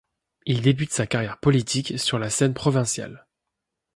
Il débute sa carrière politique sur la scène provinciale.